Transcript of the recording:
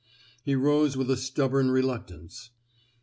He rose with a stubborn reluctance.